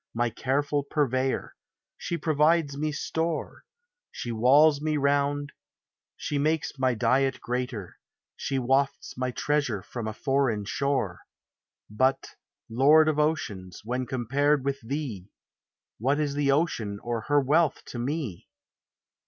My careful purveyor; she provides me store; She walls me round ; she makes my diet greater ; She wafts my treasure from a foreign shore : But, Lord of oceans, when compared with thee, What is the ocean or her wealth to me?